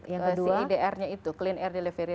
yang kedua cadr nya itu clean air delivery